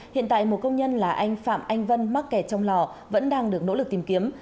hiện tại một công nhân là anh phạm anh vân mắc kẹt trong lò vẫn đang được nỗ lực tìm kiếm